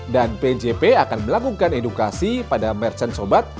pjp akan melakukan edukasi pada merchant obat